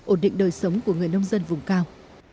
ổn định đời sống của người nông dân vùng cao